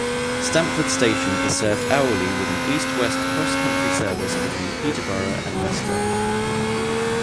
Stamford station is served hourly with an east-west CrossCountry service between Peterborough and Leicester.